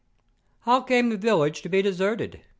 "How came the village to be deserted?"